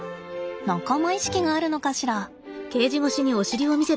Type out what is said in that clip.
仲間意識があるのかしら。